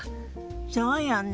そうよね。